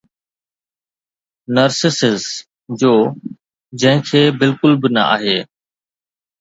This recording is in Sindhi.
Narcissus جو، جنهن کي بلڪل به نه آهي.